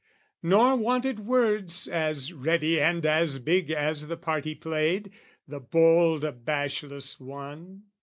Nor wanted words as ready and as big As the part he played, the bold abashless one.